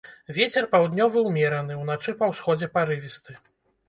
Вецер паўднёвы ўмераны, уначы па ўсходзе парывісты.